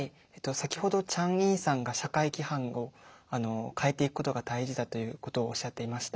先ほどチャン・イさんが社会規範を変えていくことが大事だということをおっしゃっていました。